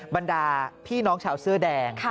บรรดาพี่น้องชาวเสื้อแดง